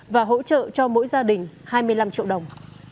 và hỗ trợ cho mỗi gia đình hai mươi năm triệu đồng